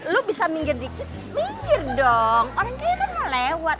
lo bisa minggir dikit minggir dong orang jahe kan mau lewat